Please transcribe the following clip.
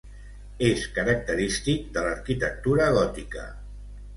És característic de l'arquitectura gòtica.